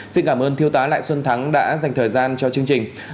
xin cảm ơn thiếu tá lại xuân thắng đã dành thời gian cho chương trình